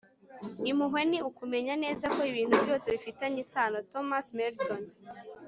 impuhwe ni ukumenya neza ko ibintu byose bifitanye isano. - thomas merton